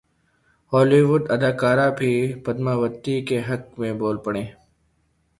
Holi would اداکارہ بھی پدماوتی کے حق میں بول پڑیں